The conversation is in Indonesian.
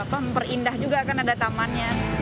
perindah juga akan ada tamannya